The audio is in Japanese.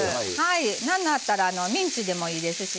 なんやったらミンチでもいいですし